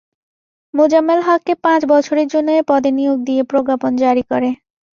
মোজাম্মেল হককে পাঁচ বছরের জন্য এ পদে নিয়োগ দিয়ে প্রজ্ঞাপন জারি করে।